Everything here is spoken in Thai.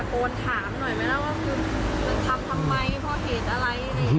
ว่าคือมันทำทำไมพอเหตุอะไร